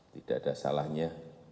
tidak ada salahnya